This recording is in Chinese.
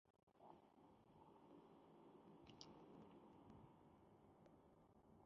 这是瑞士卓越的工程和创新的证明。